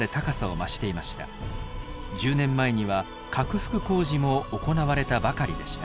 １０年前には拡幅工事も行われたばかりでした。